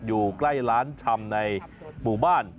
อยู่ใกล้ร้านชำในหมู่บ้าน